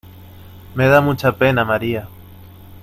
Me da mucha pena María.